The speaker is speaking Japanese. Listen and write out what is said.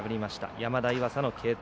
山田、岩佐の継投。